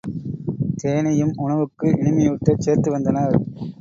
தேனையும் உணவுக்கு இனிமையூட்டச் சேர்த்து வந்தனர்.